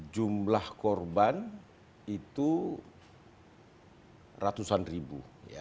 jumlah korban itu ratusan ribu